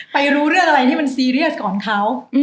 รู้เรื่องอะไรที่มันซีเรียสก่อนเขา